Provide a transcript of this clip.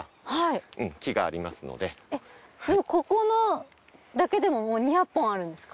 ここだけでも２００本あるんですか。